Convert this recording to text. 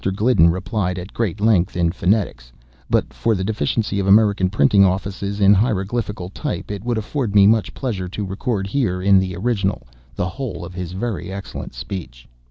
Gliddon replied at great length, in phonetics; and but for the deficiency of American printing offices in hieroglyphical type, it would afford me much pleasure to record here, in the original, the whole of his very excellent speech.